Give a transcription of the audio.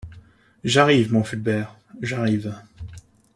J’arrive, mon Fulbert, j’arrive.